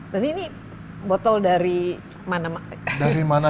dan ini botol dari mana